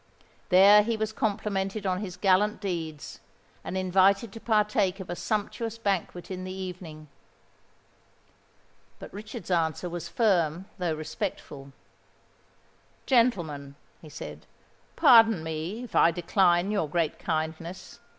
There he was complimented on his gallant deeds, and invited to partake of a sumptuous banquet in the evening. But Richard's answer was firm though respectful. "Gentlemen," he said, "pardon me if I decline your great kindness.